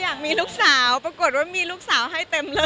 อยากมีลูกสาวปรากฏว่ามีลูกสาวให้เต็มเลย